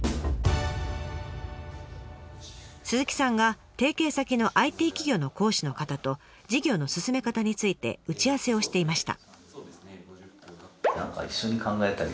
鈴木さんが提携先のＩＴ企業の講師の方と授業の進め方について打ち合わせをしていました。